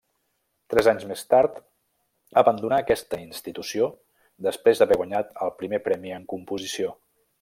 Tres anys més tard abandonà aquesta institució després d'haver guanyat el primer premi en composició.